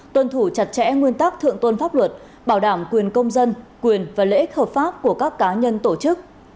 tuân thủ chặt chẽ nguyên tắc thượng tuân pháp luật bảo đảm quyền công dân quyền và lễ hợp pháp của các cá nhân tổ chức